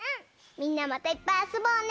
みんなまたいっぱいあそぼうね！